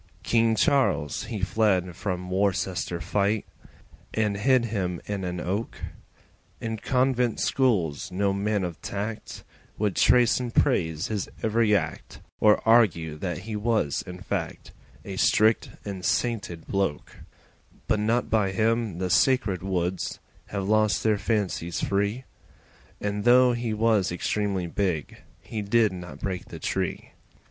King Charles he fled from Worcester fight And hid him in an Oak; In convent schools no man of tact Would trace and praise his every act, Or argue that he was in fact A strict and sainted bloke, But not by him the sacred woods Have lost their fancies free, And though he was extremely big He did not break the tree.